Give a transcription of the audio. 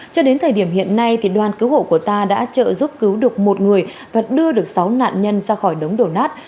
cho đến thời điểm hiện nay đoàn cứu hộ của ta đã trợ giúp cứu được một người và đưa được sáu nạn nhân ra khỏi đống đổ nát